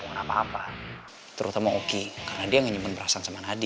ule ule ku maha ya selera masyarakat